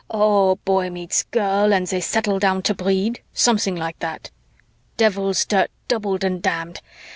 Oh, boy meets girl and they settle down to breed, something like that.' "Devil's dirt doubled and damned!